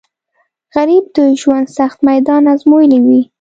غریب د ژوند سخت میدان ازمویلی وي